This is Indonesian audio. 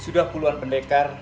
sudah puluhan pendekar